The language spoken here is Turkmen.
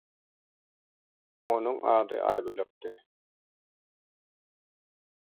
Onuň ady Aýbölekdi.